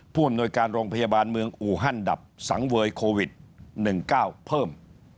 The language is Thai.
ผู้อำนวยการโรงพยาบาลเมืองอูฮันดับสังเวยโควิด๑๙เพิ่ม